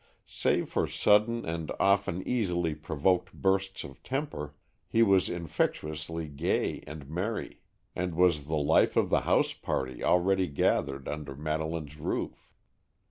Save for sudden and often easily provoked bursts of temper, he was infectiously gay and merry, and was the life of the house party already gathered under Madeleine's roof.